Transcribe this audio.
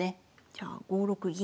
じゃあ５六銀。